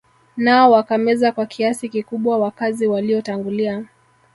Nao wakameza kwa kiasi kikubwa wakazi waliotangulia